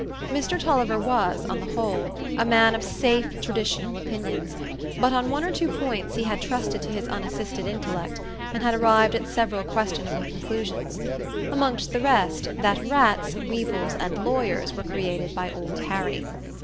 Mr Tulliver was, on the whole, a man of safe traditional opinions; but on one or two points he had trusted to his unassisted intellect, and had arrived at several questionable conclusions; amongst the rest, that rats, weevils, and lawyers were created by Old Harry.